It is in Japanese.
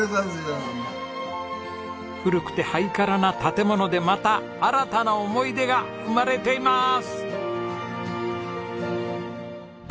古くてハイカラな建物でまた新たな思い出が生まれていまーす！